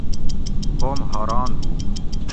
قوم حاران ہُو